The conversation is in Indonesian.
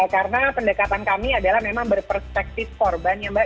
karena pendekatan kami adalah memang berperspektif korban ya mbak